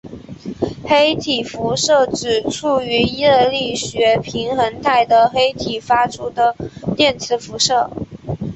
黑体辐射指处于热力学平衡态的黑体发出的电磁辐射。